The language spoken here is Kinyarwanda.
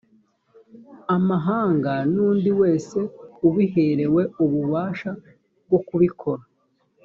amahanga nundi wese ubiherewe ububasha bwokubikora